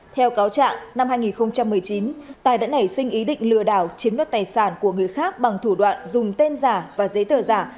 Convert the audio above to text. theo cáo trạng năm hai nghìn một mươi chín tài đã nảy sinh ý định lừa đảo chiếm đoạt tài sản của người khác bằng thủ đoạn dùng tên giả và giấy tờ giả